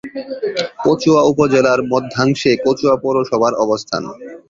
কচুয়া উপজেলার মধ্যাংশে কচুয়া পৌরসভার অবস্থান।